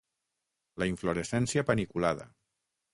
La inflorescència paniculada.